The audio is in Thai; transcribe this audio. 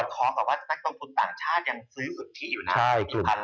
สอดคล้องกับว่าทักตรงคุณต่างชาติซื้อหยุดที่อยู่น้ำ